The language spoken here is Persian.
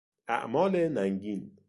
اعمال ننگین